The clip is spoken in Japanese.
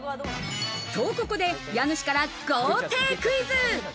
と、ここで家主から豪邸クイズ。